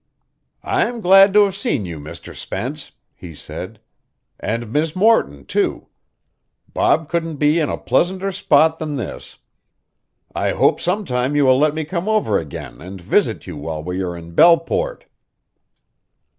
"I am glad to have seen you, Mr. Spence," he said, "and Miss Morton, too. Bob couldn't be in a pleasanter spot than this. I hope sometime you will let me come over again and visit you while we are in Belleport."